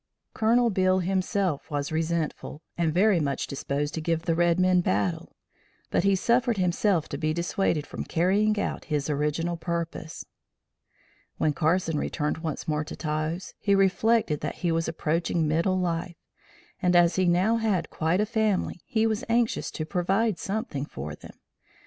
Colonel Beale himself was resentful, and very much disposed to give the red men battle, but he suffered himself to be dissuaded from carrying out his original purpose. When Carson returned once more to Taos, he reflected that he was approaching middle life, and as he now had quite a family, he was anxious to provide something for them.